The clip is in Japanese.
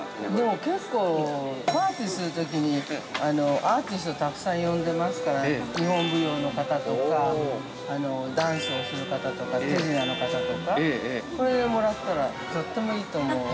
◆結構、パーティーするときにアーティストたくさん呼んでますから、日本舞踊の方とか、ダンスをする方とか、手品の方とか、これでもらったらとってもいいと思うわ。